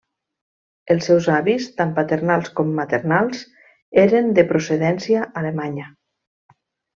Els seus avis, tant paternals com maternals, eren de procedència alemanya.